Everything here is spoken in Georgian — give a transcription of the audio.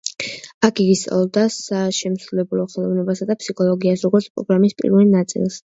აქ იგი სწავლობდა საშემსრულებლო ხელოვნებასა და ფსიქოლოგიას, როგორც პროგრამის პირველ ნაწილს.